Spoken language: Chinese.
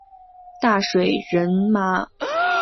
大水苎麻